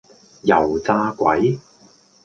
油炸鬼